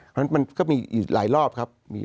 เพราะฉะนั้นมันก็มีอีกหลายรอบครับ